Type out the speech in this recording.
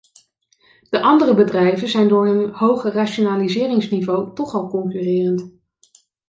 De andere bedrijven zijn door hun hoge rationaliseringsniveau toch al concurrerend.